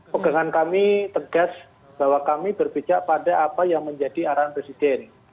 pegangan kami tegas bahwa kami berpijak pada apa yang menjadi arahan presiden